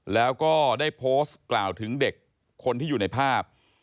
แล้วก็ได้โพสต์กล่าวถึงเด็กคนที่อยู่ในภาพ